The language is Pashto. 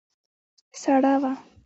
سړه وه.